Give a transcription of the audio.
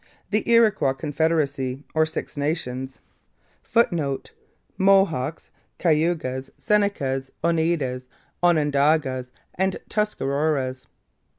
The Iroquois confederacy, or Six Nations, [Footnote: Mohawks, Cayugas, Senecas, Oneidas, Onondagas, and Tuscaroras.